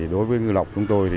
đối với ngư lọc chúng tôi